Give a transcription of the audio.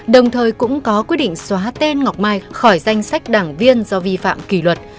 đồng thời cũng có quyết định xóa tên ngọc mai khỏi danh sách đảng viên do vi phạm kỳ luật